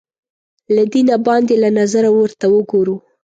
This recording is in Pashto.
له دینه باندې له نظره ورته وګورو